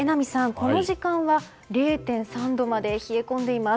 この時間は０．３度まで冷え込んでいます。